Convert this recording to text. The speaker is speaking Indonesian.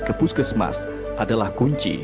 ke puskesmas adalah kunci